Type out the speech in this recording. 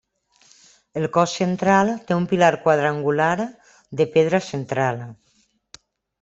El cos central té un pilar quadrangular de pedra central.